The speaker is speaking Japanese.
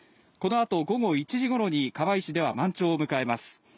このあと午後１時ごろに釜石では満潮を迎えます。